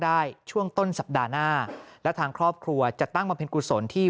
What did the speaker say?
ช่วงต้นสัปดาห์หน้าและทางครอบครัวจะตั้งบำเพ็ญกุศลที่